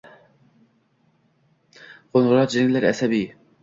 Qoʼngʼiroq jiringlar asabiy.